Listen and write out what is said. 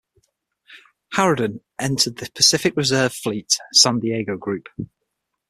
"Haraden" entered the Pacific Reserve Fleet, San Diego Group.